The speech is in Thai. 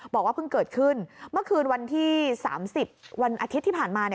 บอกว่าเพิ่งเกิดขึ้นเมื่อคืนวันที่๓๐วันอาทิตย์ที่ผ่านมา